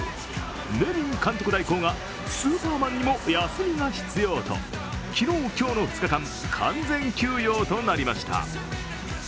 ネビン監督代行がスーパーマンにも休みが必要と昨日、今日の２日間、完全休養となりました。